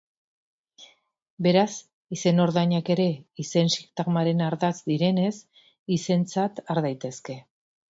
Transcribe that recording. Beraz, izenordainak ere izen-sintagmaren ardatz direnez, izentzat har daitezke.